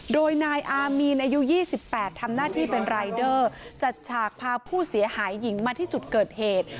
โดยนายอามีนอายุ๒๘ทำหน้าที่เป็นรายเดอร์จัดฉากพาผู้เสียหายหญิงมาที่จุดเกิดเหตุ